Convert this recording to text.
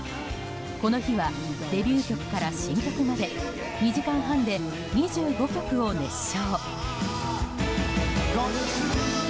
この日はデビュー曲から新曲まで２時間半で２５曲を熱唱。